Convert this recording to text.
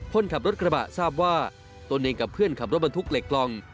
คนขับรถกระบะทราบว่าตนเองกับเพื่อนขับรถบรรทุกเหล็กกล่อง